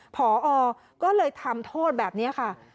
พอก็เลยทำโทษแบบนี้ค่ะ